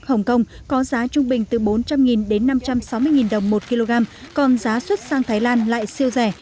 hồng kông có giá trung bình từ bốn trăm linh đến năm trăm sáu mươi đồng một kg còn giá xuất sang thái lan lại siêu rẻ